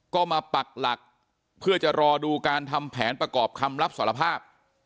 ก็มาปักหลักเพื่อจะรอดูการทำแผนประกอบคำรับสารภาพ